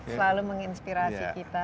selalu menginspirasi kita